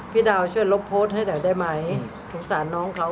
พี่ดาวช่วยลบโพสต์ให้หน่อยได้ไหมสงสารน้องเขา